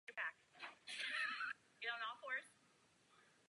Předsedal podvýboru pro zákon o zdravotně postižených.